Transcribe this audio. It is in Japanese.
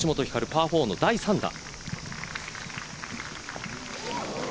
パー４の第３打。